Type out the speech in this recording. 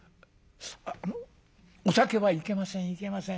あのお酒はいけませんいけません。